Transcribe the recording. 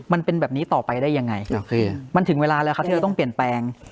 มันเป็นแบบนี้ต่อไปได้ยังไงมันถึงเวลาแล้วครับที่เราต้องเปลี่ยนแปลง